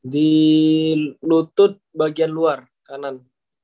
di lutut bagian luar kanan